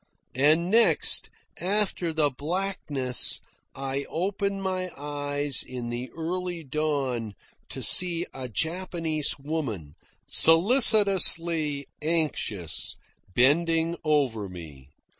And next, after the blackness, I open my eyes in the early dawn to see a Japanese woman, solicitously anxious, bending over me.